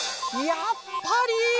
やっぱり！